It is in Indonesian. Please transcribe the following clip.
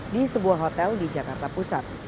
di sebuah hotel di jakarta pusat